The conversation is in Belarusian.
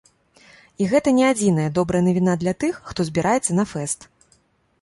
І гэта не адзіная добрая навіна для тых, хто збіраецца на фэст!